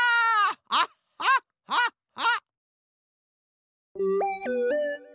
ハッハッハッハ！